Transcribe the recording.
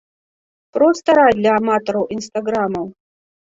Проста рай для аматараў інстаграмаў.